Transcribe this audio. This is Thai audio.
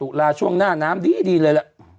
ตุลาช่วงหน้าน้ำดีเลยล่ะ